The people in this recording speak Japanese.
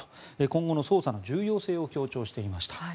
今後の捜査の重要性を強調していました。